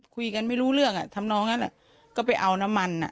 คุยกันไม่รู้เรื่องอ่ะทำนองนั้นก็ไปเอาน้ำมัน